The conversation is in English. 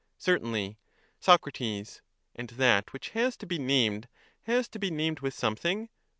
Certainly. Soc. And that which has to be named has to be named with something?